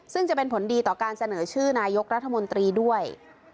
ซึ่งจะเป็นผลดีต่อการเสนอชื่อนายกรัฐมนตรีด้วย